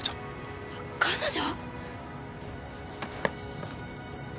彼女？